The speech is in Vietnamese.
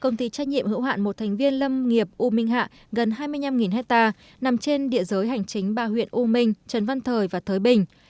công ty trách nhiệm hữu hạn một thành viên lâm nghiệp u minh hạ gần hai mươi năm hectare nằm trên địa giới hành chính ba huyện u minh trần văn thời và thới bình